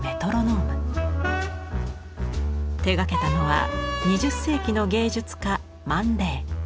手がけたのは２０世紀の芸術家マン・レイ。